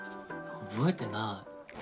覚えてない。